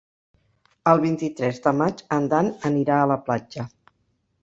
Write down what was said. El vint-i-tres de maig en Dan anirà a la platja.